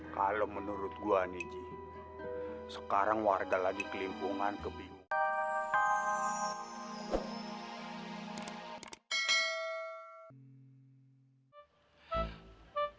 kalau menurut gue nih cing sekarang warga lagi kelimpungan kebingungan